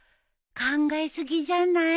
考え過ぎじゃない？